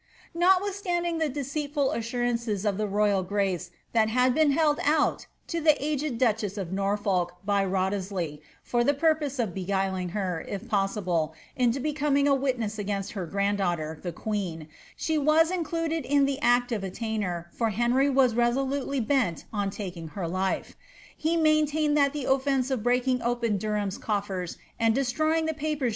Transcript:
Notwithstanding the deceitful assurances of the royal grace that had (n held out to the aged duchess of Norfolk by Wriothesley, for the pose of beguiling her, if possible, into becoming a witness against ' granddaughter, the queen, she was included in the act of attainder, Henry was resolutely bent on taking her life. He maintained that ofience of breaking open Derham's coffers and destroying the papers